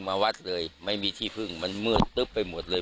ไม่รู้ขั้นตอนเลยมันเมื่อตึ๊บไปหมดเลย